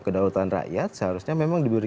kedaulatan rakyat seharusnya memang diberi